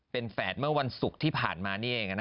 เป็นแฝดเมื่อวันศุกร์ที่ผ่านมานี่เอง